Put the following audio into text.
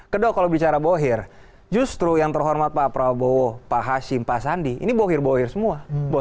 kedok kalau bicara bohir justru yang terhormat pak prabowo pak hashim pak sandi ini bohir bohir semua